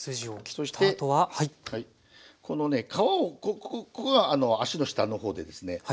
そしてこのね皮をここが脚の下の方でですね